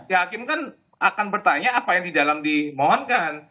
ya hakim kan akan bertanya apa yang di dalam dimohonkan